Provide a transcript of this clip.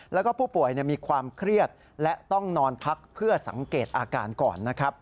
แล้วก็ผู้ป่วยมีความเครียดและต้องนอนพักเพื่อสังเกตอาการก่อนนะครับ